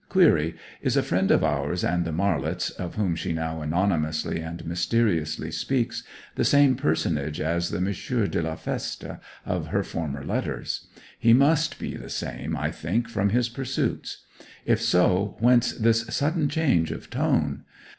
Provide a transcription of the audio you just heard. Query: Is 'a friend of ours and the Marlets,' of whom she now anonymously and mysteriously speaks, the same personage as the 'M. de la Feste' of her former letters? He must be the same, I think, from his pursuits. If so, whence this sudden change of tone?